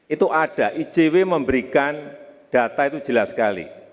itu ada icw memberikan data itu jelas sekali